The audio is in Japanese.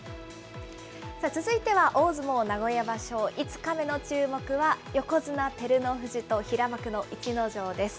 続いては大相撲名古屋場所、５日目の注目は横綱・照ノ富士と平幕の逸ノ城です。